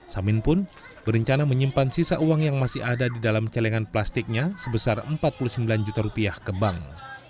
samin pun berencana menyimpan sisa uang yang masih ada di dalam celengan plastiknya sebesar empat puluh sembilan juta rupiah ke bank